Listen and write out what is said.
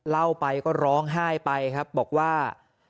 เล่าไปก็ร้องไห้ไปครับบอกว่า